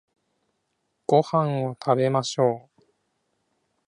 ご飯を食べましょう